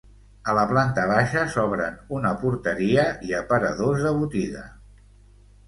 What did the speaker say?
A la planta baixa s'obren una porteria i aparadors de botiga.